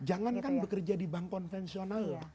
jangankan bekerja di bank konvensional loh